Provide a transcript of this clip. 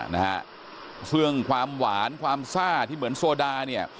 นะฮะซึ่งความหวานความซ่าที่เหมือนโซดาเนี่ย